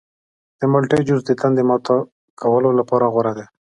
د مالټې جوس د تندې ماته کولو لپاره غوره دی.